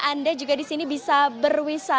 anda juga di sini bisa berwisata